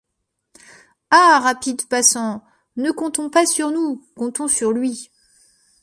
Ah ! rapides passants ! ne comptons pas sur nous, Comptons sur lui.